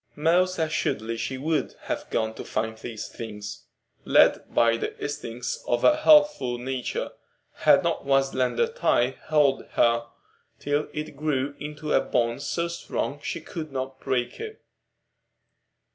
Most assuredly she would have gone to find these things, led by the instincts of a healthful nature, had not one slender tie held her till it grew into a bond so strong she could not break it.